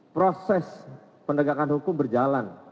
proses pendegakan hukum berjalan